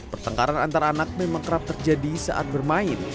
pertengkaran antar anak memang kerap terjadi saat bermain